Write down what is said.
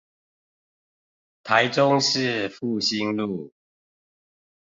台中市復興路